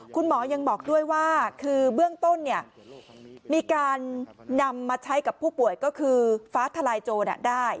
คุณหมอยังบอกด้วยว่าคือเบื้องต้นมีการนำมาใช้กับผู้ป่วยก็คือฟ้าทลายโจรได้